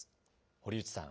堀内さん。